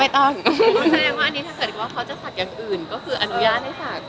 อะไรก็น้องแดง